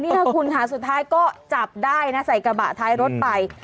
นี่ค่ะคุณค่ะสุดท้ายก็จับได้นะใส่กระบะท้ายรถไป